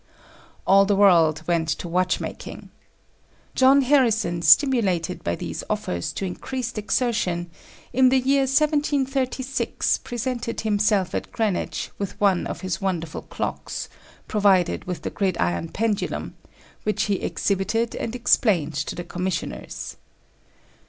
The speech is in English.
All the world went to watch making. John Harrison, stimulated by these offers to increased exertion, in the year 1736 presented himself at Greenwich with one of his wonderful clocks, provided with the gridiron pendulum, which he exhibited and explained to the commissioners.